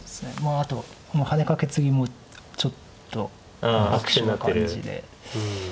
あとはこのハネカケツギもちょっと悪手になってる感じで。